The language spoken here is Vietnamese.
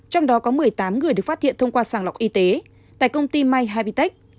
trong đó có một mươi tám người được phát hiện thông qua sàng lọc y tế tại công ty may habitech